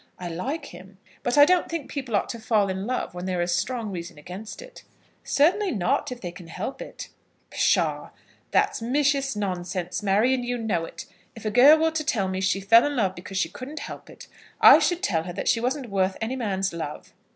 I like him. But I don't think people ought to fall in love when there is a strong reason against it." "Certainly not, if they can help it." "Pshaw! That's missish nonsense, Mary, and you know it. If a girl were to tell me she fell in love because she couldn't help it, I should tell her that she wasn't worth any man's love."